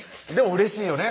うれしいよね